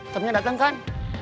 ternyata dateng kan